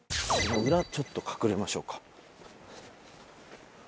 裏ちょっと隠れましょうか。